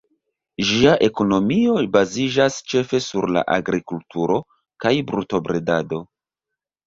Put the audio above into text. Ĝia ekonomio baziĝas ĉefe sur la agrikulturo kaj brutobredado.